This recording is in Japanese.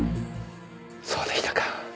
そうでしたか。